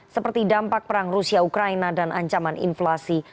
seperti dampak perang rusia ukraina dan ancaman inflasi